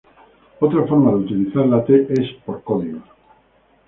Otra forma de utilizar la T es por códigos.